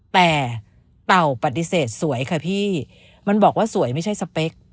แต่เต่าปฏิเสธสวยค่ะพี่มันบอกว่าสวยไม่ใช่สเปค